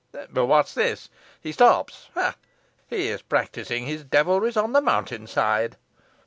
But what is this? he stops ha! he is practising his devilries on the mountain's side."